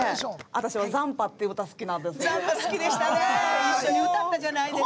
私「ざんぱ」っていう歌が好きなんです。